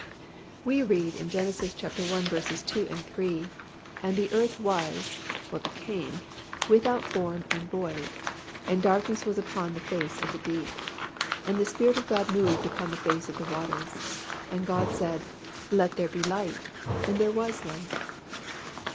We read in Gen, i. 2, 3, "And the earth was (or became) without form and void; and darkness was upon the face of the deep. And the Spirit of God moved upon the face of the waters. And God said, Let there be light: and there was light."